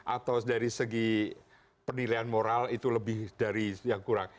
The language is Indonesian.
atau dari segi penilaian moral itu lebih dari yang kurang